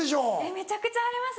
めちゃくちゃあります。